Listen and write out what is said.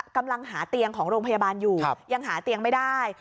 กำลังหาเตียงของโรงพยาบาลอยู่ยังหาเตียงไม่ได้